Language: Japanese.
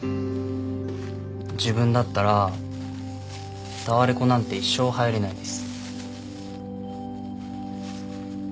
自分だったらタワレコなんて一生入れないです。